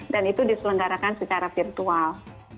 dan itu diselenggarakan secara virtual